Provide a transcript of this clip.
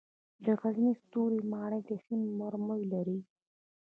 د غزني ستوري ماڼۍ د هند مرمرو لري